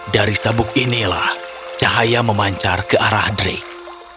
dari sabuk inilah cahaya memancar ke arah drike